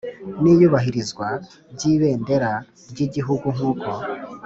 n iyubahirizwa by Ibendera ry Igihugu nk uko